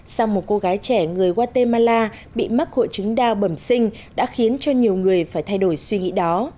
sau một cô gái trẻ người guatemala bị mắc hội chứng đao bẩm sinh đã khiến cho nhiều người phải thay đổi suy nghĩ đó